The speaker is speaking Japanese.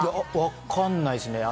わかんないですね。